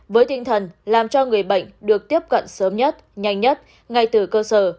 với tinh thần làm cho người bệnh được tiếp cận sớm nhất nhanh nhất ngay từ cơ sở